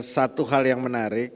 satu hal yang menarik